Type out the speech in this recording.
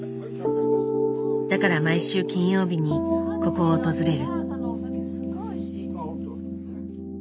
だから毎週金曜日にここを訪れる。